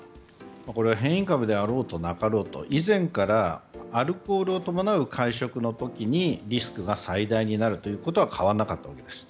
これは変異株であろうとなかろうと、以前からアルコールを伴う会食の時にリスクが最大になるということは変わらなかったわけです。